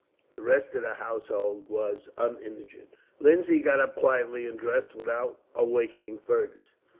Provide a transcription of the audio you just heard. The rest of the household were uninjured. Lindsay got up quietly and dressed without awaking Fergus.